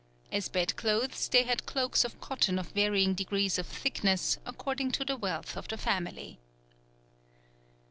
As bed clothes they had cloaks of cotton of varying degrees of thickness according to the wealth of the family.